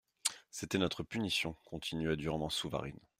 C'était notre punition, continua durement Souvarine.